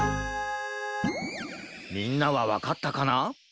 みんなはわかったかな？